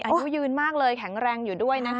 อายุยืนมากเลยแข็งแรงอยู่ด้วยนะคะ